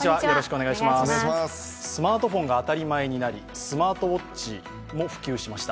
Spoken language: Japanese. スマートフォンが当たり前になりスマートウォッチも普及しました。